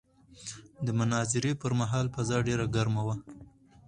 د مناظرې پر مهال فضا ډېره ګرمه وه.